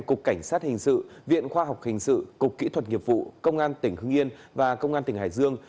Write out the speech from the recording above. cục cảnh sát hình sự viện khoa học hình sự cục kỹ thuật nghiệp vụ công an tỉnh hưng yên và công an tỉnh hải dương